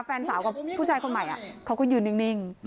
แฟนสาวกับผู้ชายคนใหม่เขาก็ยืนนิ่ง